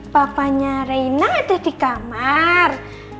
papanya reina ada di kamar